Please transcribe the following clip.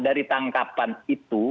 dari tangkapan itu